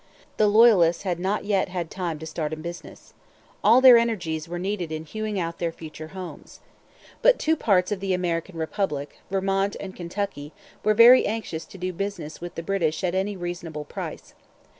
The Loyalists had not yet had time to start in business. All their energies were needed in hewing out their future homes. But two parts of the American Republic, Vermont and Kentucky, were very anxious to do business with the British at any reasonable price.